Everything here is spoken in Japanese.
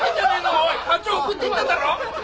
課長送ってったんだろう？